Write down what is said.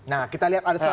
nah kita lihat ada slide nya